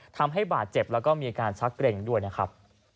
ทำให้บาดเจ็บแล้วก็มีอาการชักเกร็งด้วยนะครับ